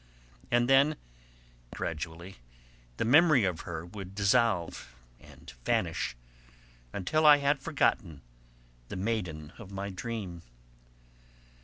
And then, gradually, the memory of her would dissolve and vanish, until I had forgotten the maiden of my dream.